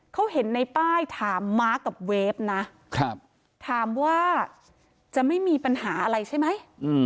เขาเห็นในป้ายถามมาร์คกับเวฟนะถามว่าจะไม่มีปัญหาอะไรใช่ไหม